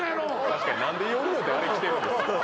確かに何でよりによってあれ着てるんですか？